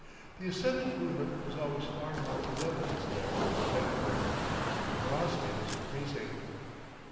The ascendant movement was always far more in evidence there than at Beckenham. The velocity was increasing.